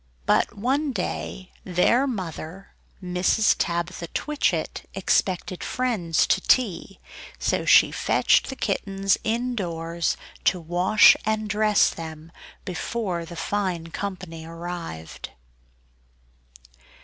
But one day their mother Mrs. Tabitha Twitchit expected friends to tea; so she fetched the kittens indoors, to wash and dress them, before the fine company arrived.